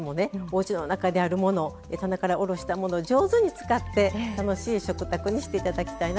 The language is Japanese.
おうちの中にあるもの棚からおろしたものを上手に使って楽しい食卓にして頂きたいなと思います。